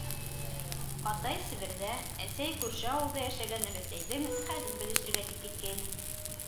Атай Себерҙә, әсәй күрше ауылда йәшәгән өләсәйҙең хәлен белешергә тип киткәйне.